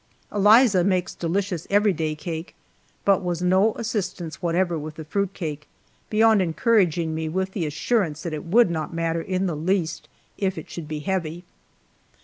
Eliza makes delicious every day cake, but was no assistance whatever with the fruit cake, beyond encouraging me with the assurance that it would not matter in the least if it should be heavy.